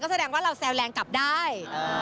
แสดงว่าเราแซวแรงกลับได้